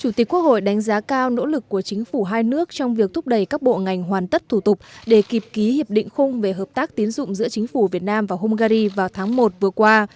chủ tịch quốc hội đánh giá cao nỗ lực của chính phủ hai nước trong việc thúc đẩy các bộ ngành hoàn tất thủ tục để kịp ký hiệp định khung về hợp tác tín dụng giữa chính phủ việt nam và hungary vào tháng một vừa qua